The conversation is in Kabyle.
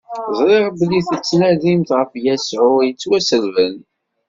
Ẓriɣ belli tettnadimt ɣef Yasuɛ ittwaṣellben.